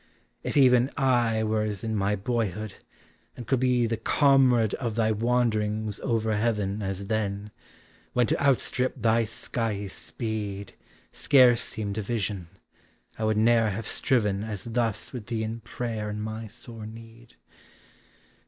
If even I were as in my boyhood, and could be The comrade of thy wanderings over heaven As then, when to outstrip thy skyey speed Scarce seemed a vision, I would ne'er have striven As thus with thee in prayer in my sore need.